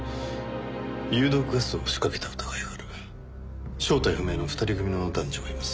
有毒ガスを仕掛けた疑いがある正体不明の２人組の男女がいます。